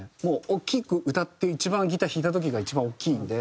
大きく歌って一番ギター弾いた時が一番大きいんで。